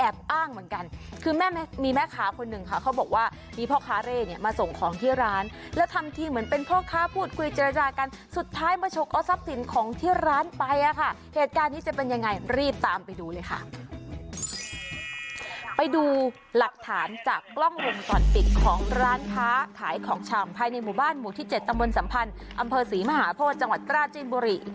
บ้านหมู่ที่๗ตำบลสัมพันธ์อำเภอศรีมหาโพธิ์จังหวัดตราจินบุรี